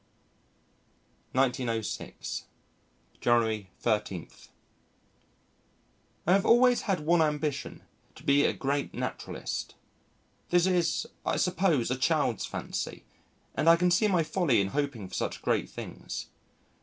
1906 January 13. I have always had one ambition to be a great naturalist. That is, I suppose, a child's fancy, and I can see my folly in hoping for such great things.